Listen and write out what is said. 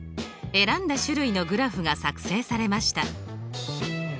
選んだ種類のグラフが作成されました。